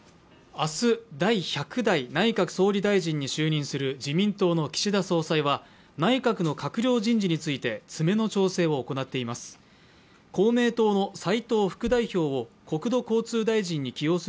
明日、第１００代内閣総理大臣に就任する自民党の岸田総裁は、内閣の閣僚人事について詰めの調整を行っています。